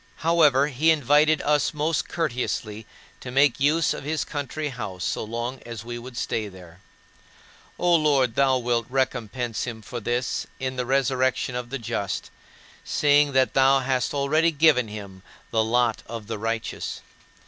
However, he invited us most courteously to make use of his country house so long as we would stay there. O Lord, thou wilt recompense him for this "in the resurrection of the just," seeing that thou hast already given him "the lot of the righteous."